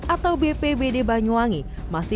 atau bpbd banyuwangi